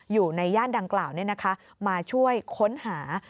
อยู่ในย่านดังกล่าวมาช่วยค้นหา